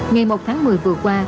ngày một tháng một mươi vừa qua